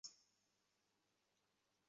আসলেই, তার সমস্যা কী?